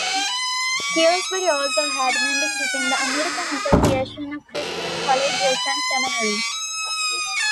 Pillsbury also had membership in the American Association of Christian Colleges and Seminaries.